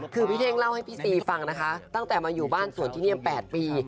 คือพี่เท่งเล่าให้พี่ซีฟังนะคะตั้งแต่มาอยู่บ้านสวนที่นี่๘ปี